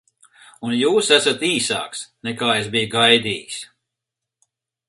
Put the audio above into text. Un jūs esat īsāks, nekā es biju gaidījis.